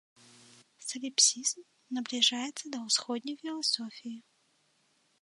Саліпсізм набліжаецца да ўсходняй філасофіі.